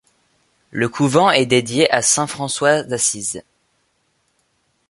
Le couvent est dédié à saint François d'Assise.